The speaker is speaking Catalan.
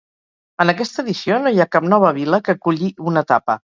En aquesta edició no hi ha cap nova vila que aculli una etapa.